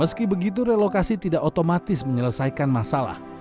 meski begitu relokasi tidak otomatis menyelesaikan masalah